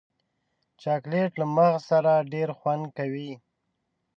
چاکلېټ له مغز سره ډېر خوند کوي.